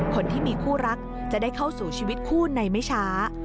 คนที่มีคู่รักจะได้เข้าสู่ชีวิตคู่ในไม่ช้า